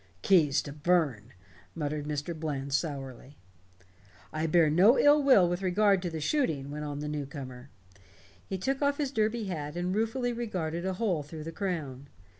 "Keys to burn," muttered Mr. Bland sourly. "I bear no ill will with regard to the shooting," went on the newcomer. He took off his derby hat and ruefully regarded a hole through the crown.